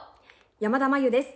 山田真夕です。